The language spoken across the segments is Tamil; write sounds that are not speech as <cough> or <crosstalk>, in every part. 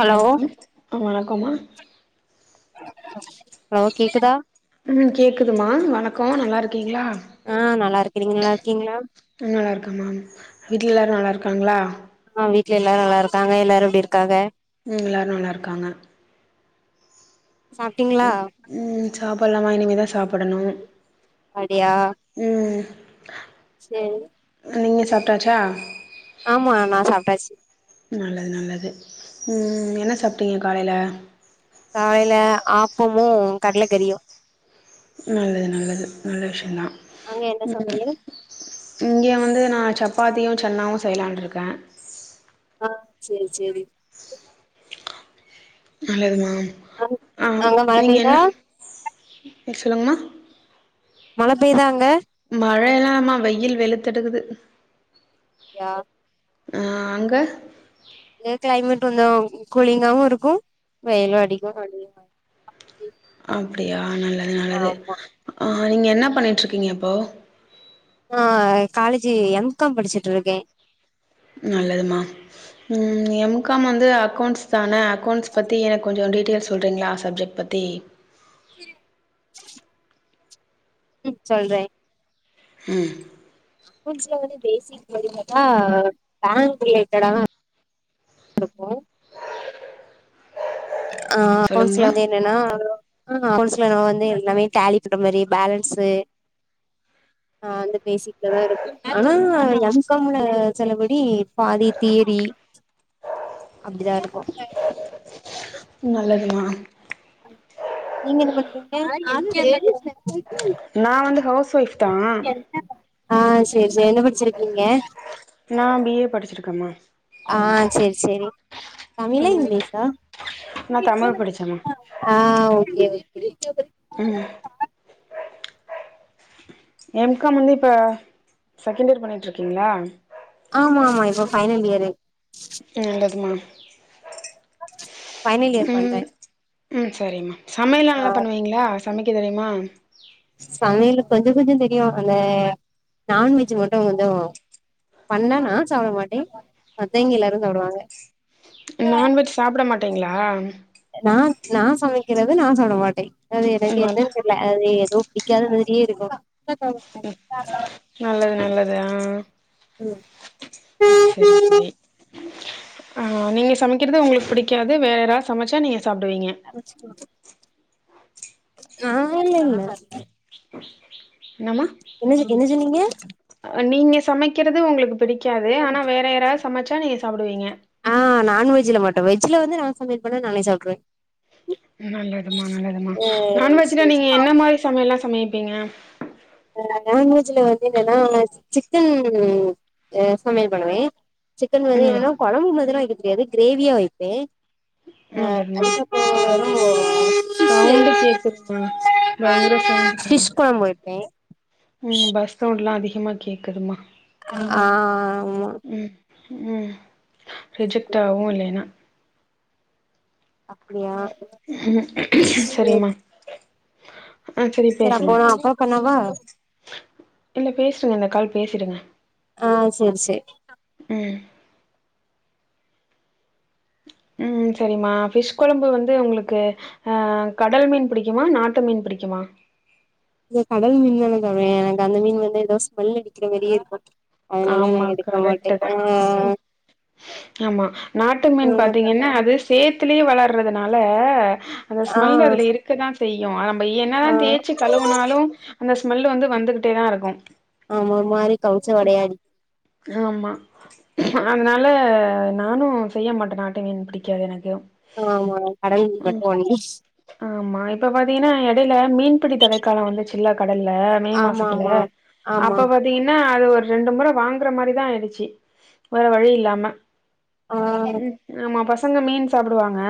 ஹலோ எனக்கு ஆ வணக்கமா ஹலோ கேக்குதா ம் கேக்குதுமா வணக்கோ நல்லா இருக்கீங்களா ஆ நல்லா இருக்கே நீங்க நல்லா இருக்கீங்களா ஆ நல்லாயிருக்கமா வீட்ல எல்லாரு நல்லா இருக்காங்களா ஆ வீட்டு்ல எல்லாரு நல்லா இருக்காங்க எல்லாரு இப்படி இருக்காங்க ம் எல்லாரு நல்லா இருக்காங்க சாப்ட்டீங்களா ம் சாப்பட்லாமா இனிமே தா சாப்பிடணும் அப்டியா ம். செரி. நீங்க சாப்ட்டாச்சா ஆமா நா சாப்ட்டாச்சு நல்லது நல்லது ம் என்ன சாப்ட்டீங்க காலையில காலையில ஆப்பமு கடல கரியு நல்லது நல்லது நல்ல விஷ்யதா அங்க என்ன ம் சமையல் இங்கே வந்து நா சப்பாத்தியு சன்னாவு செய்யலாண்ட்ருக்கே ஆ செரி செரி நல்லதுமா அங் ஆ அங்க மழ நீங்க பெய்தா என்ன ம் சொல்லுங்கமா மழை பெய்தா அங்க மழை இல்லாமா வெயில் வெளுத்துட்டுக்குது யா ஆ அங்க ஏ கிளைமேட் கொஞ்சோ கூலிங்காவு இருக்கு வெயிலு அடிக்கு அப்டியே அப்டியா நல்லது நல்லது ஆமா ஆ நீங்க என்ன பண்ணிட்டு இருக்கீங்க இப்போ நா காலேஜு எம் காம் படிச்சுட்டு இருக்கே நல்லதுமா ம் எம் காம் வந்து அக்கௌண்ட்ஸ் தானே அக்கௌண்ட்ஸ் பத்தி எனக்கு கொஞ்சோ டீட்டெயில்ஸ் சொல்றீங்களா சப்ஜெக்ட் பத்தி சேரி ச்சொல்றே ம் அக்கௌண்ட்ஸ்ல வந்து பேசிக் ரிலேட்டடா பேங்க் ரிலேட்டடாதா இருக்கு ஆ அக்கௌண்ட்ஸ்ல சொல்லுங்கமா வந்து என்னன்னா <inaudible> அக்கௌண்ட்ஸ்ல நம்ம வந்து எல்லாமே டேலி பண்ற மாரி பேலன்ஸு <inaudible> ஆ அந்த பேசிக்ல தா இருக்கு ஆனா எம் காம் ல செலபடி பாதி தியரி அப்டிதா இருக்கு நல்லதும்மா நீங்க என்ன பண்றீங்க நா வந்து ஹவுஸ் ஒய்ஃப் தா ஆ சேரி சேரி என்ன படிச்சிருக்கீங்க நா பி ஏ படிச்சிருக்கேம்மா ஆ சேரி சேரி தமிழா ம் இங்கிலீஷா நா தமிழ் படிச்சேம்மா ஆ ஓகே ஓகே ம் எம் காம் வந்து இப்ப செகண்ட் இயர் பண்ணிட்டுருக்கீங்களா ஆமா ஆமா இப்ப ஃபைனல் இயரு நல்லதும்மா ஃபைனல் இயர் பண்றே ம் ம் சரிம்மா சமையல்லா நல்லா ஆ பண்ணுவீங்களா சமைக்க தெரியுமா சமையலு கொஞ்ச கொஞ்ச தெரியு அந்த நான்வெஜ்ஜு மட்டு கொஞ்ச பண்ணா நா சாப்ட மாட்டே மத்தயிங்க எல்லாரு சாப்டுவாங்க நான்வெஜ் சாப்ட மாட்டிங்களா நான் நா சமைக்கிறது நா சாப்ட மாட்டே அது எனக்கு நல் என்னன்னு தெர் ல அது ஏதோ பிடிக்காது மாதிரியே இருக்கு நல்லது நல்லது ஆ ம் செரி செரி ஆ நீங்க சமைக்கிறது உங்களுக்கு புடிக்காது வேற யாராது சமச்சா நீங்க சாப்டுவீங்க சமச்சி ஆ இல்லல்ல என்னம்மா என்ன ஜொ என்ன ஜொன்னிங்க நீங்க சமைக்கிறது உங்களுக்கு பிடிக்காது ஆனா வேற யாராது சமச்சா நீங்க சாப்டுவீங்க ஆ நான்வெஜ்ல மட்டு வெஜ்ல வந்து நா சமையல் பண்ணா நானே சாப்ட்டுருவே நல்லதும்மா நல்லதும்மா நான்வெஜ்ல சேரி நீங்க என்ன மாரி சமையல்லா சமைப்பீங்க ஆ நான்வெஜ்ல வந்து என்னன்னா சிக்கன் ஆ சமையல் பண்ணுவே சிக்கன் வந்து நல்ல என்னன்னா கொழம்பு மாதிலா வக்க தெரியாது கிரேவியா வைப்பே நல்லதும்மா அதுக்கப்புறோ ஃபிஷ்ஷு சவுண்டு கேக்குதும்மா பயங்கர சவுண்ட் ஃபிஷ் கேக்குது கொழம்பு வைப்பே ம் பஸ் சவுண்ட்லா அதிகமா கேக்குதுமா ஆ ஆமா ம் ம் ரிஜெக்ட் ஆவு இல்லேன்னா அப்டியா ம் சேரி சரிம்மா ஆ சரி சேரி பேசுங்க அப்போ நா அப்றோ பண்ணவா இல்ல பேசுங்க இந்த கால் பேசிடுங்க ஆ சேரி சேரி ம் ம் சரிம்மா ஃபிஷ் கொழம்பு வந்து உங்களுக்கு ஆ கடல் மீன் பிடிக்குமா நாட்டு மீன் பிடிக்குமா இந்த கடல் மீன் தானே சாப்டுவே எனக்கு அந்த மீன் வந்து ஏதோ ஸ்மெல் அடிக்கிற மாரியே இருக்கு அதனால நா ஆமா எடுக்க மாட்டே கரெக்ட்டு ஆ தா ஆமா நாட்டு மீன் ம் பாத்தீங்கன்னா அது சேத்துலயே வளர்றதுனால அந்த ஆ ஸ்மெல் அதுல இருக்கதா செய்யு நம்ம என்னதா ஆ தேய்ச்சு தழுவுனாலு அந்த ஸ்மெல் வந்து வந்துகிட்டே தா இருக்கு ஆமா மாரி கவுச்ச வாடையாடிக் ஆமா அதனால நானு செய்ய மாட்டே நாட்டு மீன் பிடிக்காது எனக்கு ஆ ஆமா கடல் மட்டு ஒன்லி ஆமா இப்ப பாத்தீங்கன்னா எடையில மீன்பிடி தடைக்கால வந்துச்சுல்ல கடல்ல மே ஆமா மாசத்துல ஆமா ஆமா அப்ப வந் பாத்தீங்கன்னா அது ஒரு ரெண்டு முறை வாங்கற மாரிதா ஆயிடுச்சு வேற வழி இல்லாம ஆ ம் ஆமா பசங்க மீன் சாப்டுவாங்க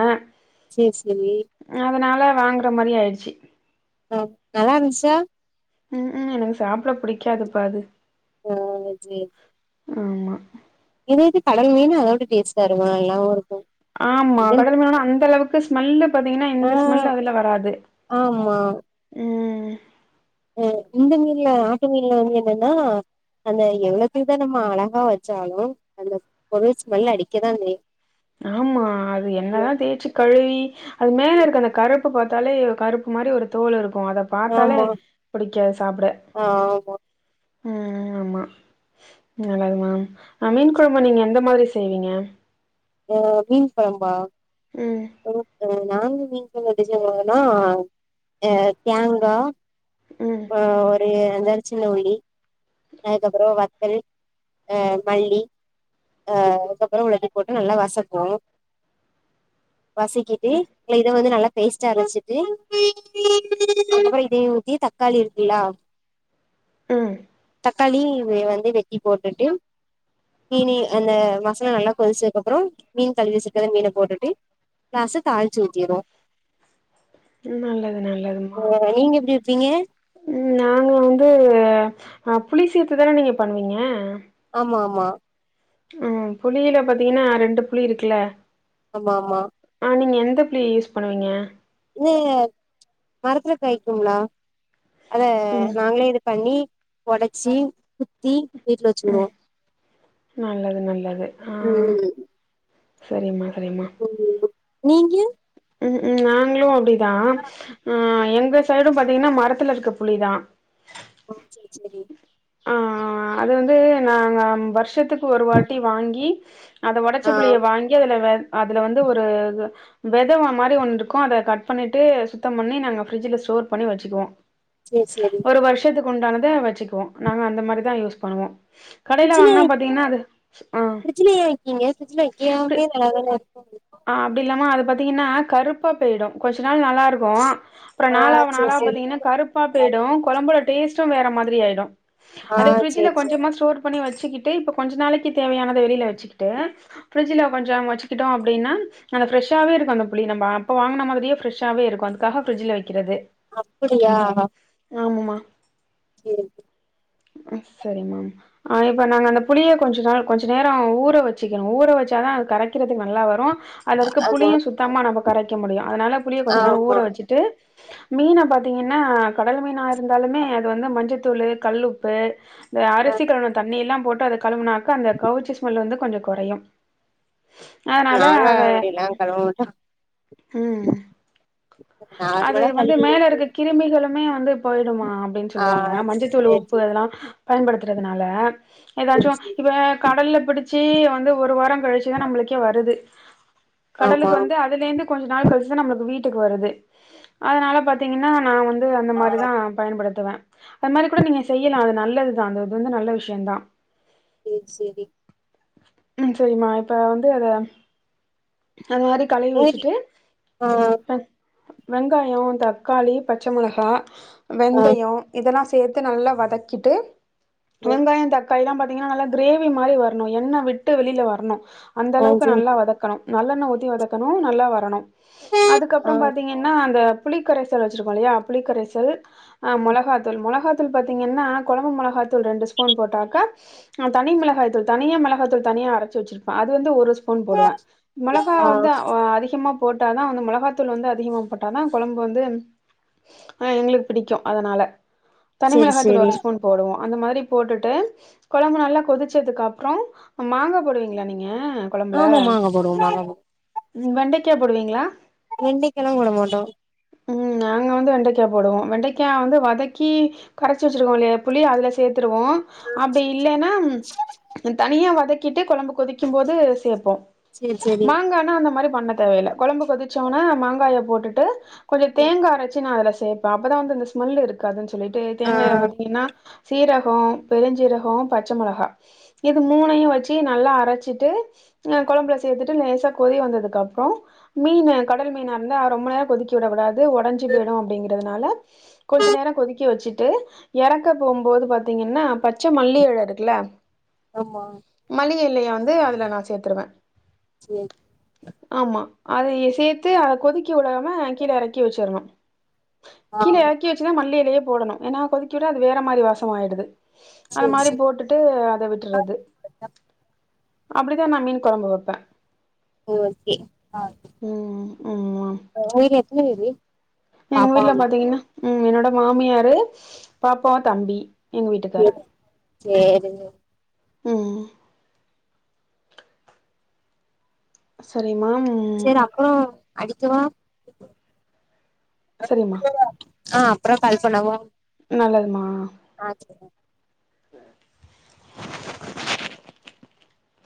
சேரி சரி அதனால வாங்கற மாரி ஆயிடுச்சு ஆ நல்லாருந்துச்சா ம் ம் எனக்கு சாப்ட புடிக்காது பா ஆ சேரி ஆமா இதேது கடல் மீனு அதோட டேஸ்ட்டா இருக்கு நல்லாவு இருக்கு ஆமா இதன் கடல் மீனுனா அந்த அளவுக்கு ஸ்மெல்லு பாத்தீங்கன்னா ஆ இந்த ஸ்மெல்லு அதுல வராது ஆமா ம் அ இந்த மீன்ல ஆட்டு மீன்ல வந்து என்னன்னா நம்ம எவ்வளவுத்துக்கு தா நம்ம அழகா வச்சாலு அந்த பொருள் ஸ்மெல் அடிக்கதா செய்யு ஆமா அது என்னதா தேய்ச்சு கழுவி அது மேல இருக்கு அந்த கருப்பு பாத்தாலே கருப்பு மாரி ஒரு தோல் இருக்கு அத பாத்தாலே ஆமா புடிக்காது சாப்ட ஆமா ம் ஆமா நல்லது மா அ மீன் கொழம்ப நீங்க எந்த மாரி செய்வீங்க ஆ மீன் கொழம்பா ம் நாங்க மீன் கொழம்பு எப்டி செய்வோனா அ தேங்கா ம். ஆ ஒரு அஞ்சாறு சின்ன ஒலி அதுக்கப்பறோ வத்தல் அ மல்லி அ அதுக்கப்பறோ உள்ளது போட்டு நல்லா வசக்கு வசிக்கிட்டு இ இத வந்து நல்லா பேஸ்டா அரைச்சிட்டு அப்பற இதையு ஊத்தி தக்காளி இருக்குளா ம் தக்காளி வந்து வெட்டி போட்டுட்டு மீனி அந்த மசாலா நல்லா கொதிச்சதுக்கப்பறோ மீன் கழுவிச்சக்க மீன போட்டுட்டு ரச தாழ்ச்சி ஊத்திருவோ ம் நல்லது நல்லதுமா நீங்க எப்டி வெப்பீங்க ம் நாங்க வந்து அ புலி சேத்துதானே நீங்க பண்ணுவீங்க ஆமா ஆமா உம் புளியில பாத்தீங்கன்னா ரெண்டு புளி இருக்குல்ல ஆமா ஆமா ஆ நீங்க எந்த புளி யூஸ் பண்ணுவீங்க இ மரத்துல காய்க்கும்லா அத ம். நாங்களே எ பண்ணி ஒடச்சி குத்தி வீட்ல வச்சு விடுவோ ம். நல்லது நல்லது ஆ ம் சரிம்மா சரிம்மா ம் நீங்க ம் ம் நாங்களு அப்டிதா எங்க சைடும் பாத்தீங்கன்னா மரத்துல இருக்க புளிதா ஓ சரி சரி ஆ அது வந்து நாங்க வருஷத்துக் ஒரு வாட்டி வாங்கி அத ஒடச்ச ஆ புளிய வாங்கி அதுல அதுல வந்து ஒரு வெதவ மாரி ஒண்ணு இருக்கு அத கட் பண்ணிட்டு சுத்தம் பண்ணி நாங்க ஃபிரிட்ஜ்ல ஸ்டோர் பண்ணி வச்சுக்குவோ சேரி சேரி ஒரு வருஷத்துக்கு உண்டானத வச்சுக்குவோ நாங்க அந்த மாரிதா யூஸ் பண்ணுவோ கடையில ஃப்ரிட்ஜ்லே வாங்குனா பாத்தீங்கன்னா அது ஆ பிரிட்ஜ்லயா வக்கீங்க பிரிட்ஜ் ல வைக்காமே நல்ல தான இருக்கும் ஆ அப்டி இல்லாம அது பாத்தீங்கன்னா கருப்பா போய்டு கொஞ்ச நாள் நல்லா இருக் கு அப்றோ ஆ நாளாவ சேரி நாளாவ சேரி பாத்தீங்கன்னா கருப்பா போய்டு கொழம்புல டேஸ்ட்டு வேற மாதிரி ஆயிடு ஆ அதை பிரிட்ஜ்ல சேரி சேரி கொஞ்சமா ஸ்டோர் பண்ணி வச்சுக்கிட்டு இப்ப கொஞ்ச நாளைக்கு தேவையானத வெளில வச்சுகிட்டு பிரிட்ஜ்ல கொஞ்சோ வச்சிக்கிட்டோ அப் அப்டின்னா நாங்க ஃபிரெஷ்ஷாவே இருக்கு அந்த புளி நம்ம அப்ப வாங்கன மாதிரியே ஃபிரெஷ்ஷாவே இருக்கு அதுக்காக பிரிட்ஜ்ல வைக்கிறது அப்டியா ஆமம்மா இரு அ சரி மாம் ஆ இப்ப நாங்க அந்த புளிய கொஞ்ச நாள் கொஞ்ச நேரோ ஊற வச்சிக்கணு ஊற வச்சாதா அது கரைக்கிறதுக்கு நல்லா வ ரு அதுல இருக்க ஆமா புளியு சுத்தமா நம்ம கரைக்க முடியு அதனால புளிய கொஞ்ச நேரோ ஊற ஆமா வச்சுட்டு மீன பாத்தீங்கன்னா கடல் மீனா இருந்தாலுமே அது வந்து மஞ்சத்தூளு கல்லுப்பு இந்த ஆ அரிசி கழுவுன தண்ணியெல்லா போட்டு அத கழுவுனாக்க அந்த கவுச்ச ஸமெல் வந்து கொஞ்ச கொறையு அ னால நாங்க அத அப்படிலா கழுவ மாட்டோ ம் அது நார்மலா வந்து மேல கழுவிட்டு இருக்க கிருமிகளுமே வந்து போய்டுமா அப்டின்னு ஆ சொல்லுவாங்க மஞ்சத்தூள் சேரி உப்பு சேரி அதெல்லா பயன்படுத்துறதுனால சேரி எதாச்சோ சேரி இப்ப கடல்ல பிடிச்சி வந்து ஒரு வாரம் கழிச்சுதா நம்மளுக்கே வருது ஆமா கடலுக்கு வந்து அதுலேந்து கொஞ்ச நாள் கழிச்சுதா நம்மளுக்கு வீட்டுக்கு வருது அதனால பாத்தீங்கன்னா நா வந் அந்த ஆ மாரிதா பயன்படுத்துவ அந் மாரி கூட நீங்க செய்யலா அது நல்லதுதா அந்த இது வந்து நல்ல விஷய தா சேரி சேரி ம் சரிமா இப்ப வந்து அத அது மாரி கழுவி சேரி வச்சுட்டு ஆ அஹ் வெங்காயோ தக்காளி பச்சமொளகா ஆ வெந்தயோ இதெல்லா சேத்து நல்லா வதக்கிட்டு வெங்காயோ தக் காய்ல்லா பாத்தீங்கன்னா நல்ல காரேவி மாரி வரணு என்ன விட்டு வெளில வரணு அந்த ஆ அளவுக்கு சேரி நல்லா வதக் கணும் நல்லண்ண உத்தி வதக்கணு நல்லா வரணு ஆ அதுக்கப்றம் பா்த்தீங்கன்னா அந்த புளி கரைசல் வச்சிருக்கோ இல்லையா புளிகரைசல் அ ம் மொளஹாத்தூள் மொளஹா துள் பாத்தீங்கன்னு கொழம்பு மொளஹாத்தூள் ரெண்டு ஸ்பூன் போட்டாக்கா அ தனி மிளஹாய்த்தூள் தனியா மிளஹாத்தூள் தனியா அரச்சு வெச்சிருப்பே அது வந்து ஒருஸ்ப் ஃபோன் போடுவே மெளகா ஆ வந்தா ஒ அ அதிஹமா போட்டாதா வந்து மிளஹாத்தூள் வந்து அதிகமா போட்டாதா கொழம்பு வந்துன் ஆ எங்ளுக் பிடிக்கு அதனால சேரி தனிமிளஹாத்தூள் சேரி ஒரு ஸ்பூன் போடுவோ அந்த மாரி போட்டுட்டு கொழம்பு நல்லா கொதிச்சதுக்கு அப்றோ மாங்கா போடுவீங்ளா நீங்க ஆமா மாங்கா போடுவோம் மாங்கா போம் உம் வெண்டைக்கா போடுவீங்ளா வெண்டைக்கால்லா போடமாட்டோ ம் நாங்க வந்து வெண்டைக்கா போடுவோ வெண்டைக்கா வந்து வதக்கி கரச்சி வச்சிருக்கோ இல்லையா புளி அதுல சேத்துருவோ அப்டி இல்லென்னாம் இன் தனியா வதக்கிட்டு கொழம்பு கொதிக்கும் போது சேப்போ சேரி சேரி மாங்கானா அந்த மாரி பண்ண தேவையில்ல கொழம்பு கொதிச்சோனே மாங்காய போட்டுட்டு கொஞ்சோ தேங்கா அரச்சி நா அதுல சேப்பே அப்பதா வந்து இந்த ஸ்மெல் இருக்காதுன் சொல்லிட்டு ஆ தேங்காய பாத்தீங்கின்னா சீரகோ பெருஞ்சீரஹோ பச்சமொளஹா எது மூணையு வச்சி நல்லா அரச்சிட்டு ய கொழம்ப்ளஸ் தேத்துட்டு லேசா கொதி வந்ததுக்கப்றோ மீனு கடல் மீனருந்தா ரொம்ப நேர கொதிக் சுட கூடாது ஒடஞ்சி போய்டு அப்டிங்கறதுனால கொஞ்ச நேர கொதிக்க வச்சிட்டு யறக்க போம்போது பாத்தீங்கன்னா பச்ச மல்லி இழ இருக்குல ஆமா மள்ளிகை இலைய வந்து அதுல நா சேத்துருவே ச்சேய் ஆமா அதயே சேத்து அத கொதிக்க விடாம கீழ மறக்கி வச்சிர்ணு ஆ கீழ யறக்கி வச்சிது மல்லியிலேயே போடணு ஏன்னா கொதிக்கிவிட அது வேற மாரி வாசோ ஆய்டுது அது சேரி மாரி சேரி போட்டுட் ட்டு அதை விட்டுறது அப்படிதா நான் மீன் கொழம்பு வெப்பே ஓஒக்கே ஆ ம் ம் ஆ உயிர் எத்ன பேரு எங்க பாப்பா வீட்ல உண்டு பாத்தீங்கன்னா உம் என்னோட மாமியாரு பாப்பாவ் தம்பி எங்க வீட்டுக்காரு சேரி சேரி உம் சரி மாம் சேர் அப்றோ அடிக்கவா சரி அம்மா ஆ அப்ற கால்பன்னவும் நல்லதுமா ஆ ச்செரி